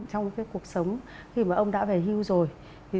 trong cuộc sống khi mà ông đã về hưu rồi